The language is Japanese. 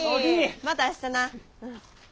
また明日な。